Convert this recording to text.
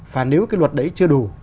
và nếu cái luật đấy chưa đủ